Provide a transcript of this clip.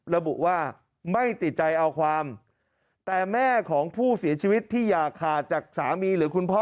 ระบุว่าไม่ติดใจเอาความแต่แม่ของผู้เสียชีวิตที่อย่าขาดจากสามีหรือคุณพ่อ